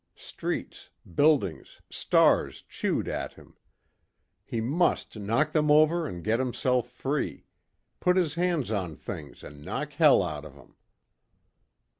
Streets, buildings, stars chewed at him. He must knock 'em over and get himself free. Put his hands on things and knock Hell out of 'em.